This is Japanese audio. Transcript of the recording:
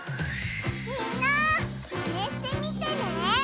みんなマネしてみてね！